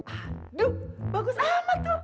aduh bagus amat tuh